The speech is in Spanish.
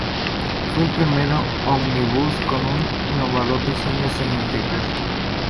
Fue el primer ómnibus con un innovador diseño semi-integral.